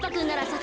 さ